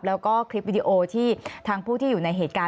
แล้วก็คลิปวิดีโอที่ทางผู้ที่อยู่ในเหตุการณ์